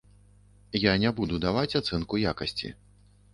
Я не буду даваць ацэнку якасці.